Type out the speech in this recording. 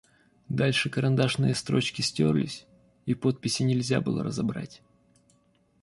Дальше карандашные строчки стерлись, и подписи нельзя было разобрать.